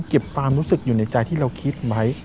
เก็บความรู้สึกอยู่ในใจที่เราคิดไว้